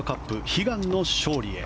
悲願の勝利へ！